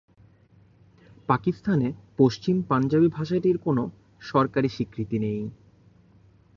পাকিস্তানে পশ্চিম পাঞ্জাবি ভাষাটির কোনও সরকারি স্বীকৃতি নেই।